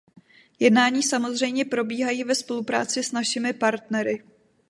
Jednání samozřejmě probíhají ve spolupráci s našimi partnery.